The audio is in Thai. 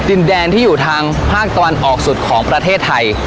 ดินแดนที่อยู่ทางภาคตะวันออกสุดของประเทศไทย